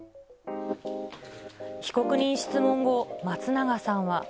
被告人質問後、松永さんは。